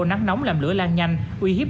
nắng nóng làm lửa lan nhanh uy hiếp